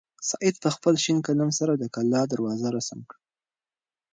سعید په خپل شین قلم سره د کلا دروازه رسم کړه.